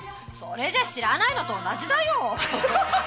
それじゃ知らないのと同じだよ。